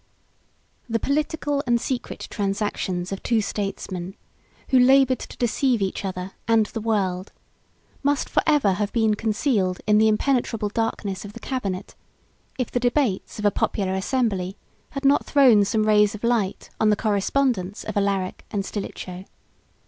] The political and secret transactions of two statesmen, who labored to deceive each other and the world, must forever have been concealed in the impenetrable darkness of the cabinet, if the debates of a popular assembly had not thrown some rays of light on the correspondence of Alaric and Stilicho.